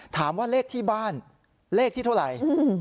ถามว่าเลขที่บ้านเลขที่เท่าไหร่